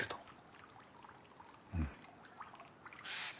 うん。